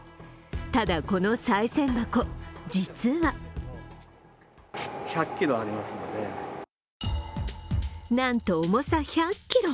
ただ、このさい銭箱、実はなんと重さ１００ｋｇ！